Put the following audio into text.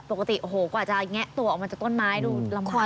ปกติโอ้โหกว่าจะแงะตัวออกมาจากต้นไม้ดูลำคอ